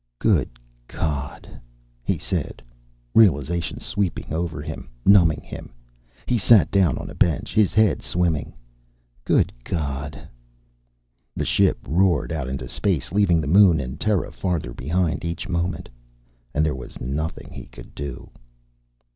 "Good God," he said. Realization swept over him, numbing him. He sat down on a bench, his head swimming. "Good God." The ship roared out into space leaving the moon and Terra farther behind each moment. And there was nothing he could do.